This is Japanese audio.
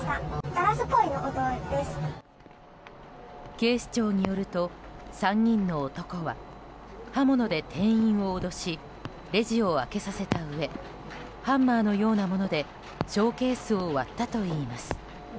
警視庁によると３人の男は、刃物で店員を脅しレジを開けさせたうえハンマーのようなものでショーケースを割ったといいます。